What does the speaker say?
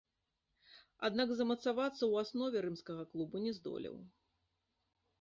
Аднак замацавацца ў аснове рымскага клуба не здолеў.